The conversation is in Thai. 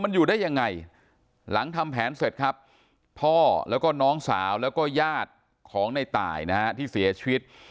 มันอยู่ได้ยังไงหลังทำแผนเสร็จครับพ่อแล้วก็น้องสาวแล้วก็ญาติของในตายนะฮะที่เสียชีวิต